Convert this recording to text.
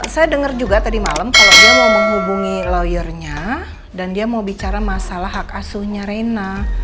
saya dengar juga tadi malam kalau dia mau menghubungi lawyernya dan dia mau bicara masalah hak asuhnya reina